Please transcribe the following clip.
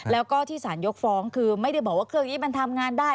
แล้วก็ที่สารยกฟ้องคือไม่ได้บอกว่าเครื่องนี้มันทำงานได้